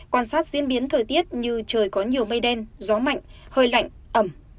quan sát diễn biến thời tiết như trời có nhiều mây đen gió mạnh hơi lạnh ẩm